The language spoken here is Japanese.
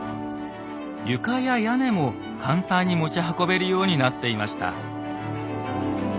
床や屋根も簡単に持ち運べるようになっていました。